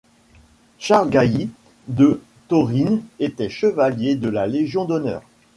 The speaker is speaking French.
Charles Gailly de Taurines était chevalier de la Légion d'honneur.